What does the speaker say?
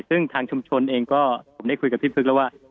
ซึ่งทางชุมชนเองก็ผมได้คุยกับพี่พึกแล้วว่า